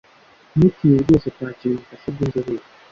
ntutinye rwose kwakira ubufasha bw’inzobere